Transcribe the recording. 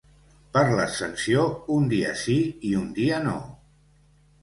Per l'Ascensió, un dia sí i un dia no.